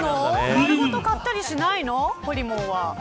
丸ごと買ったりしないの、ほりもんは。